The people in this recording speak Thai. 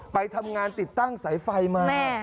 ไปทำงานติดตั้งสายไฟมา